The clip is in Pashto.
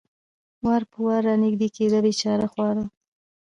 وار په وار را نږدې کېده، بېچاره خورا.